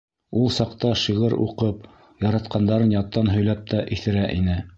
Ул саҡта шиғыр уҡып, яратҡандарын яттан һөйләп тә иҫерә ине.